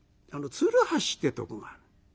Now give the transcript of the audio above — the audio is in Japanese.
鶴橋ってとこがある。